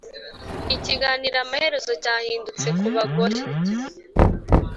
ikiganiro amaherezo cyahindutse ku bagore